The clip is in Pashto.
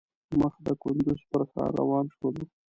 مخ د کندوز پر ښار روان شولو.